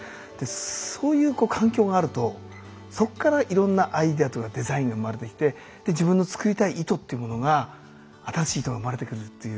そういう環境があるとそこからいろんなアイデアとかデザインが生まれてきて自分の作りたい糸ってものが新しい糸が生まれてくるっていう。